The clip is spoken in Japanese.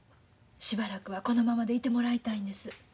しばらくはこのままでいてもらいたいんです。